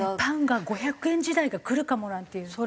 パンが５００円時代が来るかもなんていう。